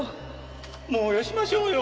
もうよしましょうよ。